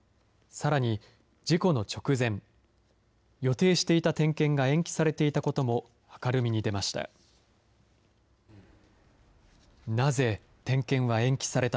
さらに、事故の直前、予定していた点検が延期されていたことも明るみに出ました。